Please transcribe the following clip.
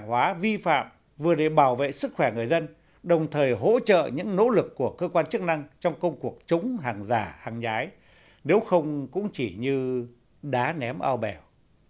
các cơ quan chức năng có thể đảm bảo vệ sức khỏe người dân đồng thời hỗ trợ những nỗ lực của cơ quan chức năng trong công cuộc chống hàng giả hàng nhái nếu không cũng chỉ như đá ném ao bèo